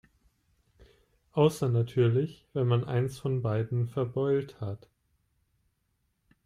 Außer natürlich, wenn man eins von beiden verbeult hat.